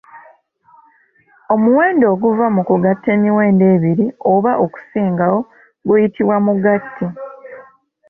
Omuwendo oguva mu kugatta emiwendo ebiri oba okusingawo guyitibwa mugatte